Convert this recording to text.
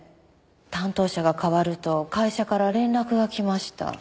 担当者が変わると会社から連絡が来ました。